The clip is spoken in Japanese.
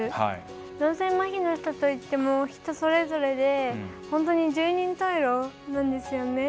脳性まひといっても人それぞれで本当に十人十色なんですね。